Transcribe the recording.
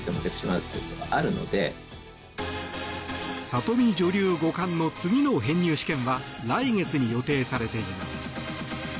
里見女流五冠の次の編入試験は来月に予定されています。